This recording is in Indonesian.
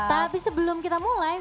tapi sebelum kita mulai